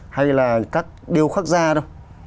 hay là các điêu khắc gia đâu